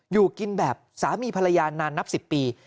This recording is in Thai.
อยู่กินแบบสามีภรรยานานนับ๑๐ปี